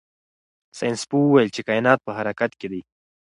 ساینس پوه وویل چې کائنات په حرکت کې دي.